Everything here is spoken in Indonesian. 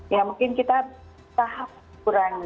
ya mungkin kita tahap kurang